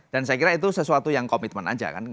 dan saya kira itu sesuatu yang komitmen aja kan